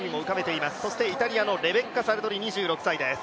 イタリアのレベッカ・サルトリ、２６歳です。